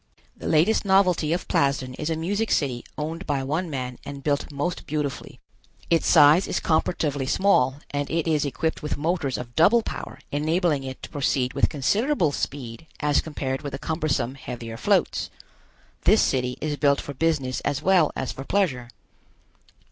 The latest novelty of Plasden is a music city owned by one man and built most beautifully. Its size is comparatively small and it is equipped with motors of double power enabling it to proceed with considerable speed as compared with the cumbersome, heavier floats. This city is built for business as well as for pleasure.